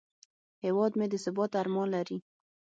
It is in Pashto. هیواد مې د ثبات ارمان لري